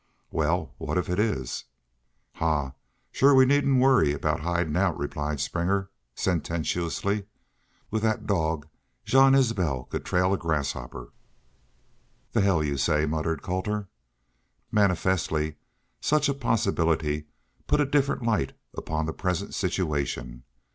"Wal, what if it is?" "Ha! ... Shore we needn't worry about hidin' out," replied Springer, sententiously. "With thet dog Jean Isbel could trail a grasshopper." "The hell y'u say!" muttered Colter. Manifestly such a possibility put a different light upon the present situation.